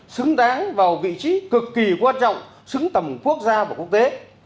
xứng đáng vào vị trí cực kỳ quan trọng xứng tầm quốc gia và quốc tế